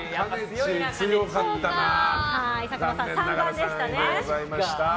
佐久間さん３番でしたね。